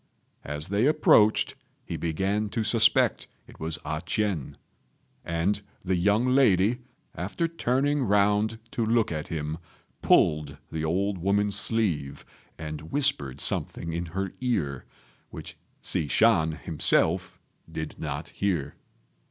As they approached he began to suspect it was A ch'ien; and the young lady, after turning round to look at him, pulled the old woman's sleeve, and whispered something in her ear, which Hsi Shan himself did not hear.